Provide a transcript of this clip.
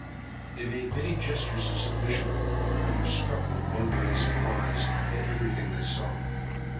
They made many gestures of submission, and were struck with wonder and surprise at every thing they saw.